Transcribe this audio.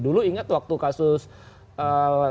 dulu ingat waktu kasus simulator sejarah